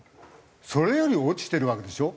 それより落ちてるわけでしょ。